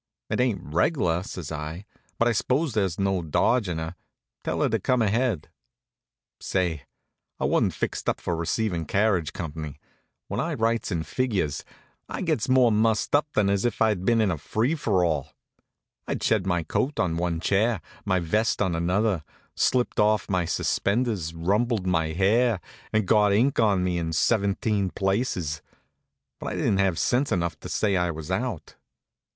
"It ain't reg'lar," says I, "but I s'pose there's no dodgin' her. Tell her to come ahead." Say, I wa'n't just fixed up for receivin' carriage comp'ny. When I writes and figures I gets more mussed up than as if I'd been in a free for all. I'd shed my coat on one chair, my vest on another, slipped off my suspenders, rumpled my hair, and got ink on me in seventeen places. But I didn't have sense enough to say I was out.